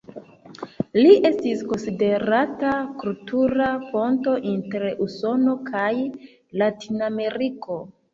Li estis konsiderata kultura ponto inter Usono kaj Latinameriko.